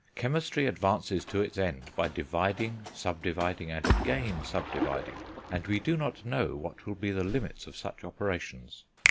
Chemistry advances to its end by dividing, sub dividing, and again sub dividing, and we do not know what will be the limits of such operations.